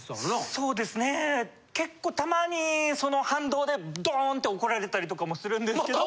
そうですね結構たまにその反動でドーンと怒られたりとかもするんですけど。